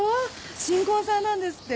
新婚さんなんですって？